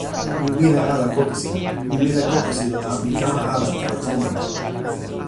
mi wile ala kokosila. mi wile kokosila la mi kama ala tawa tomo ni.